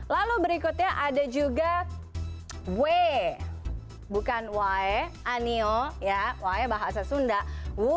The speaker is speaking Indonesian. lalu berikutnya ada juga we bukan wae anio ya wae bahasa sunda we